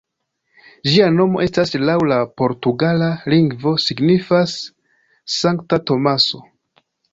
Ĝia nomo estas laŭ la portugala lingvo signifas "Sankta Tomaso".